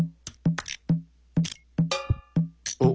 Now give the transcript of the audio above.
おっ！